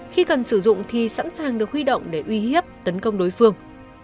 khi cần sử dụng thì sẵn sàng được huy động để uy hiếp tấn công đối phương